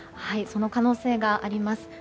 その可能性があります。